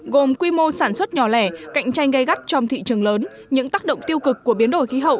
gồm quy mô sản xuất nhỏ lẻ cạnh tranh gây gắt trong thị trường lớn những tác động tiêu cực của biến đổi khí hậu